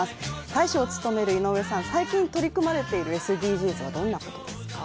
大使を務める井上さん、最近取り組まれているＳＤＧｓはどんなことですか？